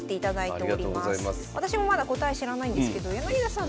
私もまだ答え知らないんですけど柳田さん